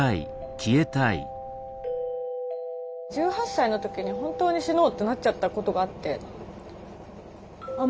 １８歳の時に本当に死のうってなっちゃったことがあってああ